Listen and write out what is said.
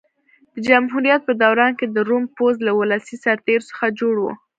د جمهوریت په دوران کې د روم پوځ له ولسي سرتېرو څخه جوړ و.